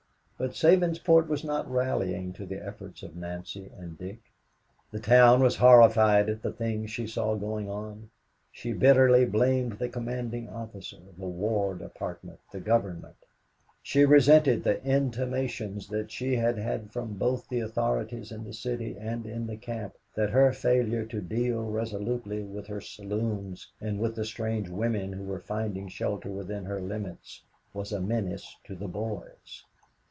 But Sabinsport was not rallying to the efforts of Nancy and Dick. The town was horrified at the things that she saw going on. She bitterly blamed the commanding officer, the War Department, the Government. She resented the intimations that she had had from both the authorities in the City and in the camp that her failure to deal resolutely with her saloons and with the strange women who were finding shelter within her limits, was a menace to the boys.